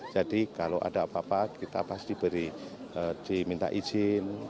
jadi kalau ada apa apa kita pasti beri diminta izin